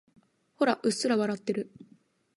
ほら、うっすら笑ってる。